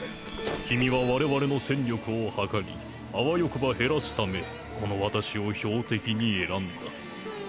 君は我々の戦力を測りあわよくば減らすためこの私を標的に選んだ。